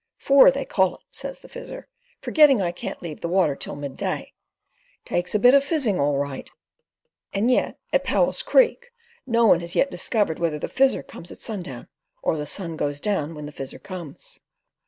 "Four, they call it," says the Fizzer, "forgetting I can't leave the water till midday. Takes a bit of fizzing all right"; and yet at Powell's Creek no one has yet discovered whether the Fizzer comes at sundown, or the sun goes down when the Fizzer comes.